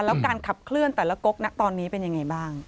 แล้วการขับเคลื่อนแต่ละก๊กนะตอนนี้เป็นยังไงบ้าง